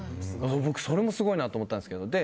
僕、それもすごいなと思ったんですけど。